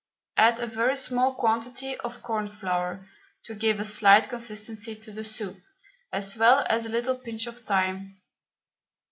Add a very small quantity of corn flour, to give a slight consistency to the soup, as well as a little pinch of thyme.